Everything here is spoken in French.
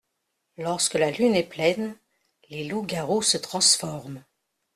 Lorsque la lune est pleine, les loups-garous se transforment.